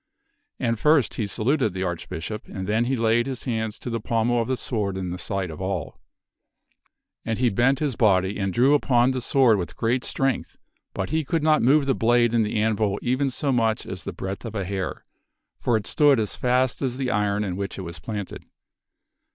And first he saluted the Archbishop, and then he laid his hands to the pommel of the sword in the sight of all. And he bent his body and drew upon the sword with great strength, but he could not move the blade in the anvil even so much as the breadth of a hair, for it stood as King Lot of fast as the iron in which it was planted.